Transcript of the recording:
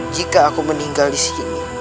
jika aku meninggal disini